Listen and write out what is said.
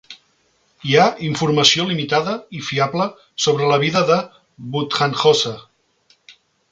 Hi ha informació limitada i fiable sobre la vida de Buddhaghosa.